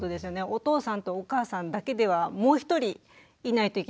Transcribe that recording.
お父さんとお母さんだけではもう一人いないといけませんよね。